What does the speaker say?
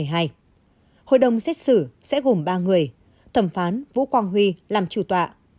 hội đồng xét xử sẽ gồm ba người thẩm phán vũ quang huy làm chủ tọa